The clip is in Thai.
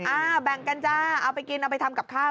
แบ่งกันจ้าเอาไปกินเอาไปทำกับข้าว